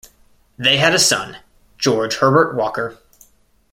They had a son, George Herbert Walker.